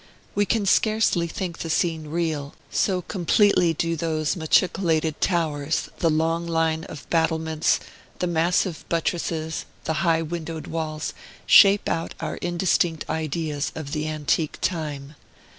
We can scarcely think the scene real, so completely do those machicolated towers, the long line of battlements, the massive buttresses, the high windowed walls, shape out our indistinct ideas of the antique time.